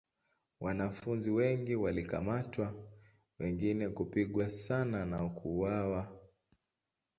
Wanafunzi wengi walikamatwa wengine kupigwa sana na kuuawa.